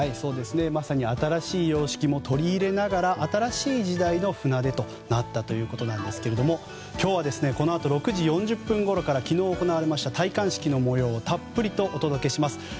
まさに新しい様式も取り入れながら新しい時代の船出となったということなんですが今日はこのあと６時４０分ごろから昨日行われました戴冠式の模様をたっぷりとお届けします。